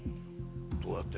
どうやって？